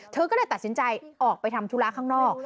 เธอก็เลยตัดสินใจออกไปทำธุระข้างนอก